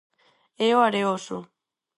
É O Areoso.